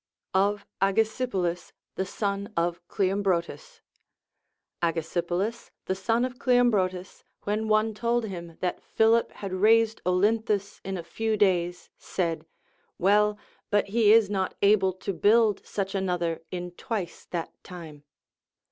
Of AgesipoUs the Son of Cleombrotus. Agesipolis the son of Cleombrotus, when one told him that Philip had razed Olynthus in a few days, said, ΛΥ^Ι, but he is not able to build such another in twice that time.